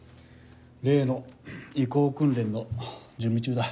例の移行訓練の準備中だ。